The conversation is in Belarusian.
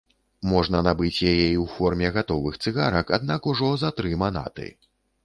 Можна набыць яе і ў форме гатовых цыгарак, аднак ужо за тры манаты.